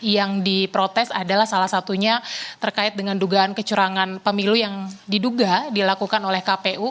yang diprotes adalah salah satunya terkait dengan dugaan kecurangan pemilu yang diduga dilakukan oleh kpu